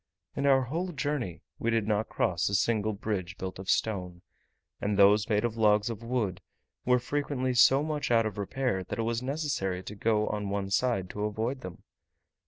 In our whole journey we did not cross a single bridge built of stone; and those made of logs of wood were frequently so much out of repair, that it was necessary to go on one side to avoid them.